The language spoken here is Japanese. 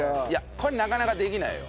これなかなかできないよ。